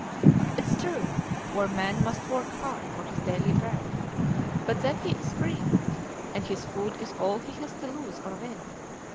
"'Tis true, a poor man must work hard for his daily bread; but then he is free. And his food is all he has to lose or win.